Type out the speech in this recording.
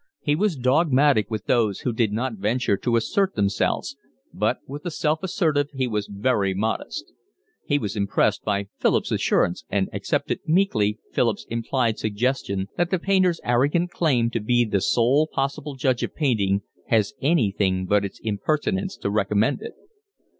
He was dogmatic with those who did not venture to assert themselves, but with the self assertive he was very modest. He was impressed by Philip's assurance, and accepted meekly Philip's implied suggestion that the painter's arrogant claim to be the sole possible judge of painting has anything but its impertinence to recommend it.